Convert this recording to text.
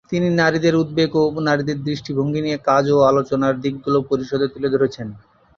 তিনি নারীদের উদ্বেগ ও নারীদের দৃষ্টিভঙ্গি নিয়ে কাজ ও আলোচনার দিকগুলো পরিষদে তুলে ধরেছেন।